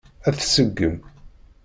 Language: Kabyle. Ad tt-tseggem?